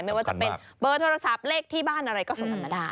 ไม่ว่าจะเป็นเบอร์โทรศัพท์เลขที่บ้านอะไรก็ส่งธรรมดา